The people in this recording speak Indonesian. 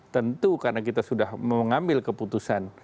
tentu karena kita sudah mengambil keputusan